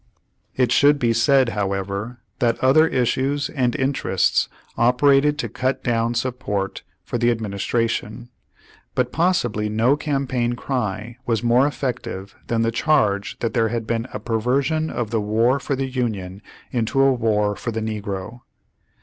It should be said, however, that other issues and interests operated to cut dov/n support for the administration, but possibly no campaign cry was more effective than the charge that there had been a "Perversion of the War for the Union into a War for the Negro."